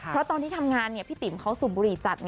เพราะตอนที่ทำงานพี่ติ๋มเขาสูบบุหรี่จัด